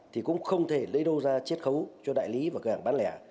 thì cũng không thể lấy đô ra chiếc khấu cho đại lý và cơ hạng bán lẻ